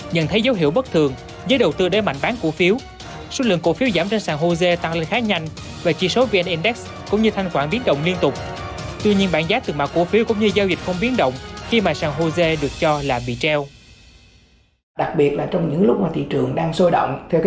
nhận thấy dấu hiệu bất thường với đầu tư để mạnh bán cổ phiếu số lượng cổ phiếu giảm trên sàng hồ sê tăng lên khá nhanh và chi số vn index cũng như thanh khoản biến động liên tục